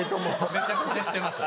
めちゃくちゃ知ってます。